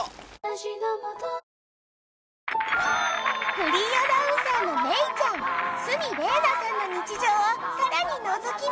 フリーアナウンサーのメイちゃん鷲見玲奈さんの日常をさらにのぞき見。